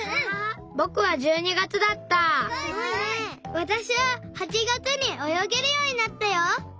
わたしは８月におよげるようになったよ！